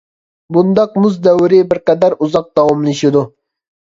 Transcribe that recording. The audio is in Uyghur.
بۇنداق مۇز دەۋرى بىر قەدەر ئۇزاق داۋاملىشىدۇ.